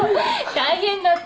大変だった。